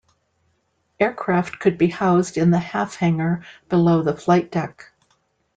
Aircraft could be housed in the half hangar below the flight deck.